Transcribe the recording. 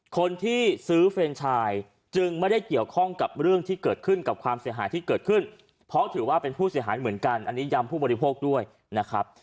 คนที่ซื้อเฟรนชายจึงไม่ได้เกี่ยวข้องกับเรื่องที่เกิดขึ้นกับความเสียหายที่เกิดขึ้นเพราะถือว่าเป็นผู้เสียหายเหมือนกันอันนี้ย้ำผู้บริโภคด้วยนะครับ